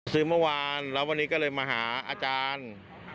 เมื่อวานแล้ววันนี้ก็เลยมาหาอาจารย์